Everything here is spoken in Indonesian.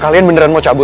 kalian beneran mau cabut